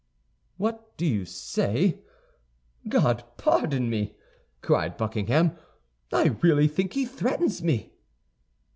"What do you say? God pardon me!" cried Buckingham, "I really think he threatens me!"